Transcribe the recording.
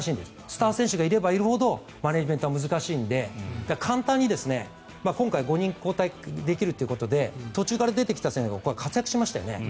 スター選手がいればいるほどマネジメントは難しいので簡単に今回５人交代できるということで途中から出てきた選手が活躍しましたよね。